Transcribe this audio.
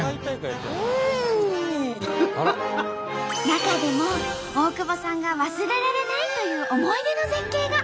中でも大久保さんが忘れられないという思い出の絶景が。